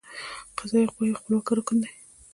قضائیه قوه یو خپلواکه رکن دی.